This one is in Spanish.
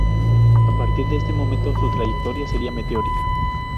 A partir de este momento su trayectoria será meteórica.